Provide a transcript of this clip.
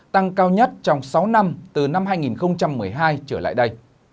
tăng cao nhất trong sáu năm từ năm hai nghìn một mươi hai trở lại đây